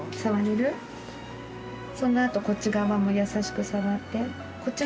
そのあとこっち側も優しく触って。